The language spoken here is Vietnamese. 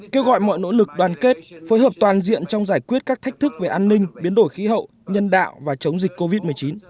kêu gọi mọi nỗ lực đoàn kết phối hợp toàn diện trong giải quyết các thách thức về an ninh biến đổi khí hậu nhân đạo và chống dịch covid một mươi chín